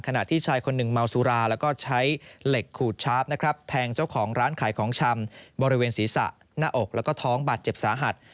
ขณะที่ชายคนหนึ่งเมาสุราแล้วก็ใช้เหล็กขูดชาร์ฟนะครับแทงเจ้าของร้านขายของชำบริเวณศีรษะหน้าอกแล้วก็ท้องบาดเจ็บสาหัส